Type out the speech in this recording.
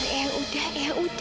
eh eh udah eh udah